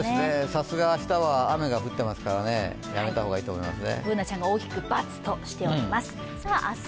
さすがに明日は雨が降っていますから、やめた方がいいと思いますね。